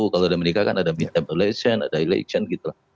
kalau di amerika kan ada bidang tabelation ada election gitu